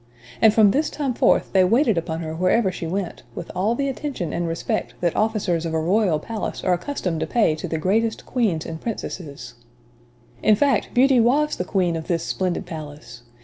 And from this time forth they waited upon her wherever she went, with all the attention and respect, that officers of a royal palace are accustomed to pay to the greatest Queens and Princesses. [Illustration: Am I so very ugly.] In fact, Beauty was the Queen of this splendid palace.